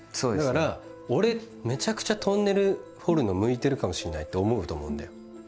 だから俺めちゃくちゃトンネル掘るの向いてるかもしれないって思うと思うんだよ。